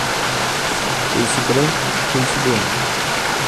Peixe branco, peixe doente.